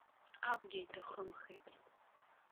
Абгьы иҭахымхеит.